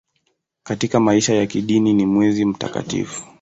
Katika maisha ya kidini ni mwezi mtakatifu.